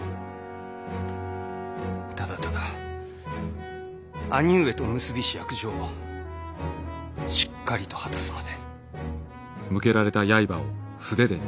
ただただ兄上と結びし約定をしっかりと果たすまで。